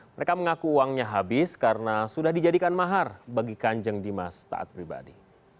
mereka mengaku uangnya habis karena sudah dijadikan mahar bagi kanjeng dimas taat pribadi